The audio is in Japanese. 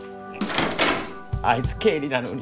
あいつ経理なのに。